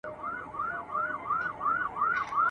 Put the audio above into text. د نړۍ رنګونه هره ورځ بدلیږي !.